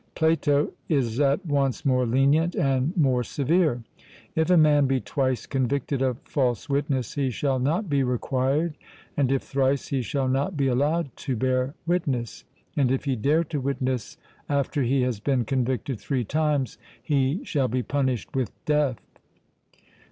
Plato is at once more lenient and more severe: 'If a man be twice convicted of false witness, he shall not be required, and if thrice, he shall not be allowed to bear witness; and if he dare to witness after he has been convicted three times,...he shall be punished with death.'